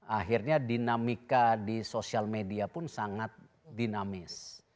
akhirnya dinamika di sosial media pun sangat dinamis